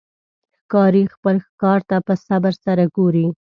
ښکاري خپل ښکار ته په صبر سره ګوري.